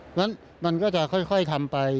เพราะฉะนั้นมันก็จะค่อยทำไป